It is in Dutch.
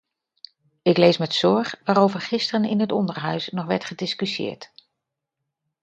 Ik lees met zorg waarover gisteren in het onderhuis nog werd gediscussieerd.